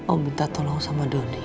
om minta tolong sama doni ya